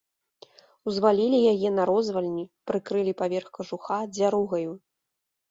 Узвалілі яе на розвальні, прыкрылі паверх кажуха дзяругаю.